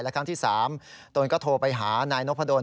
และครั้งที่๓ตนก็โทรไปหานายนพดล